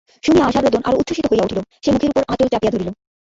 শুনিয়া আশার রোদন আরো উচ্ছ্বসিত হইয়া উঠিল–সে মুখের উপর আঁচল চাপিয়া ধরিল।